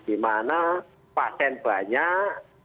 di mana pasien banyak